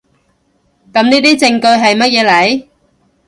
噉呢啲證據喺乜嘢嚟？